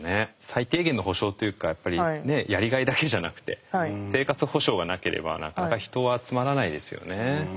最低限の保障というかやっぱりねえやりがいだけじゃなくて生活保障がなければなかなか人は集まらないですよね。